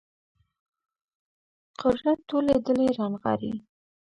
قدرت ټولې ډلې رانغاړي